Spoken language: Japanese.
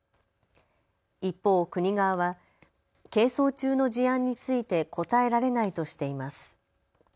一方、国側は係争中の事案について答えられないとしています。